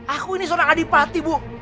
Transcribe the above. aku ini seorang adipati bu